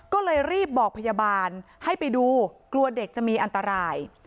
ก็เลยรีบบอกพยาบาลให้ไปดูกลัวเด็กจะมีอันตราย